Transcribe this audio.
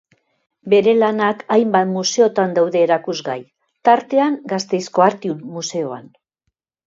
Bere lanak hainbat museotan daude erakusgai, tartean Gasteizko Artium Museoan.